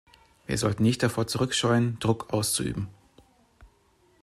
Wir sollten nicht davor zurückscheuen, Druck auszuüben.